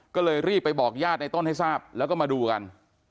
ก็เลยรีบไปบอกญาติในต้นให้ทราบแล้วก็มาดูกัน